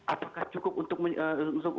apakah cukup untuk kehidupannya